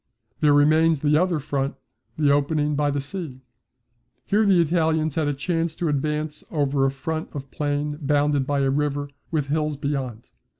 There remains the other front, the opening by the sea. Here the Italians had a chance to advance over a front of plain bounded by a river with hills beyond.